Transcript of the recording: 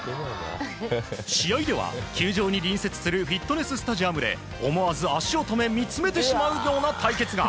試合では球場に隣接するフィットネススタジアムで思わず足を止め見つめてしまうような対決が。